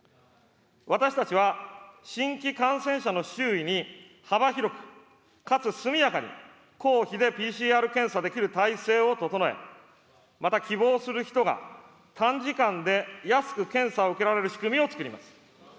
私たちは新規感染者の周囲に幅広く、かつ速やかに公費でＰＣＲ検査できる体制を整え、また希望する人が短時間で安く検査を受けられる仕組みをつくります。